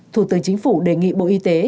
thủ tướng chính phủ đề nghị bộ y tế